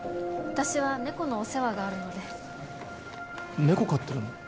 私は猫のお世話があるので猫飼ってるの？